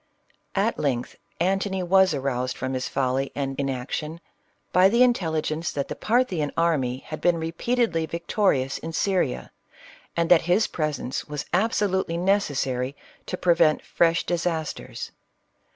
" At length Antony was aroused from his folly and inaction, by the intelligence that the Parthian army had been repeatedly victorious in Syria, and that his presence was absolutely necessary to prevent fresh dis asters.